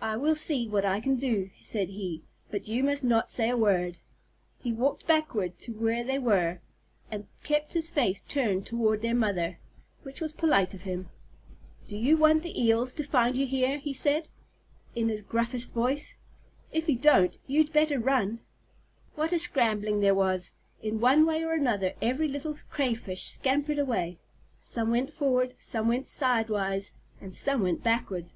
"I will see what I can do," said he, "but you must not say a word." He walked backward to where they were, and kept his face turned toward their mother, which was polite of him. "Do you want the Eels to find you here?" he said, in his gruffest voice. "If you don't, you'd better run." What a scrambling there was! In one way or another, every little Crayfish scampered away. Some went forward, some went sidewise, and some went backward.